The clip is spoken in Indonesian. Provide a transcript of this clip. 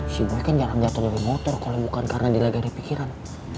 si mungkin jarang jatuh dari motor kalau bukan karena dilagari pikiran